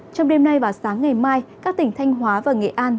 trong đêm nay và sáng ngày mai các tỉnh thanh hóa và nghệ an